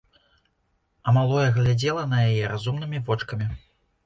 А малое глядзела на яе разумнымі вочкамі.